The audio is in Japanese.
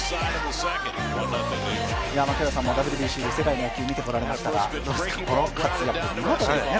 槙原さんもＷＢＣで世界の野球を見てこられましたが、この活躍見事ですね。